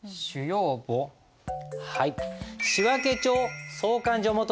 はい。